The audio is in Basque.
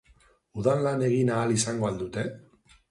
Udan lan egin ahal izango al dute?